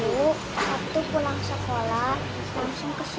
sabtu pulang sekolah langsung ke sini pulangnya hari minggu sore